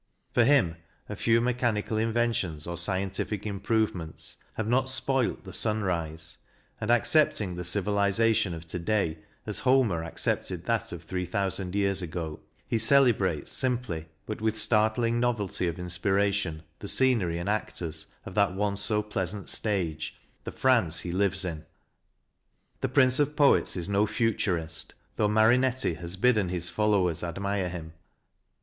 For him a few mechanical inventions or scientific improvements have not spoilt the sunrise ; and accepting the civilization of to day as Homer accepted that of three thousand years ago, he celebrates simply, but with startling novelty of inspiration, the scenery and actors of that once so pleasant stage the France he lives in. The Prince of Poets is no Futurist, though Marinetti 254 CRITICAL STUDIES has bidden his followers admire him.